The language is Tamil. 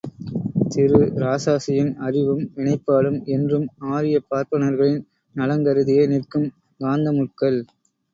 திரு இராசாசியின் அறிவும், வினைப்பாடும் என்றும் ஆரியப் பார்ப்பனர்களின் நலங்கருதியே நிற்கும் காந்த முட்கள்!